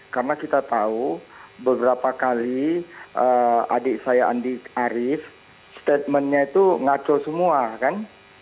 karena kita tahu beberapa kali adik saya andi arief statementnya itu ngaco semua kan